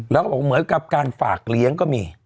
แล้วก็บอกเหมือนกับการฝากเลี้ยงก็มี